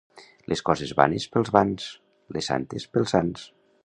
Les coses vanes, pels vans; les santes, pels sants.